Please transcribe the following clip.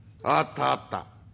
あったあった。